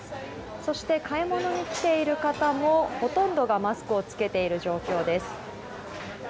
そして、買い物に来ている方もほとんどがマスクを着けている状況です。